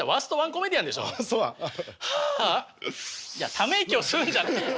ため息を吸うんじゃねえよ！